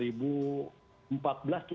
ini semua lalu